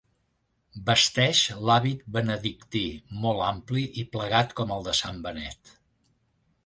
Vesteix l’hàbit benedictí, molt ampli, i plegat com el de sant Benet.